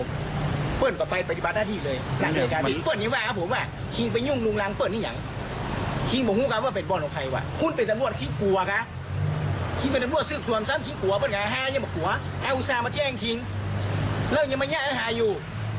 มันจะแอ้งทิ้งเริ่มยังไม่ง่ายอาหารอยู่